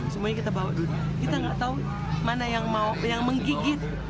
semuanya kita bawa dulu kita nggak tahu mana yang mau yang menggigit